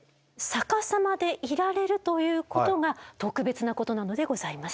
逆さまでいられるということが特別なことなのでございます。